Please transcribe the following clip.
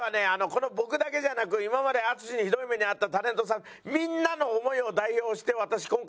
この僕だけじゃなく今まで淳にひどい目に遭ったタレントさんみんなの思いを代表して私今回やってますので。